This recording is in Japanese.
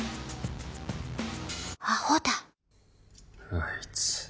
あいつ。